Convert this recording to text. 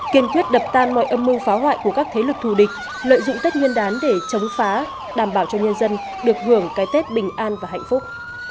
kiên quyết đập tan mọi âm mưu phá hoại của các thế lực thù địch lợi dụng tết nguyên đán để chống phá đảm bảo cho nhân dân được hưởng cái tết bình an và hạnh phúc